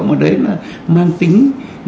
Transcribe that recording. mà đấy là mang tính